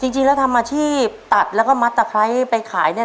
จริงแล้วทำอาชีพตัดแล้วก็มัดตะไคร้ไปขายเนี่ย